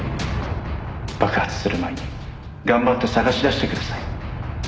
「爆発する前に頑張って捜し出してください」